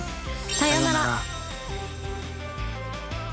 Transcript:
さようなら。